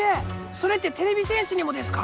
それっててれび戦士にもですか？